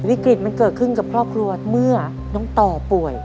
วิกฤตมันเกิดขึ้นกับครอบครัวเมื่อน้องต่อป่วย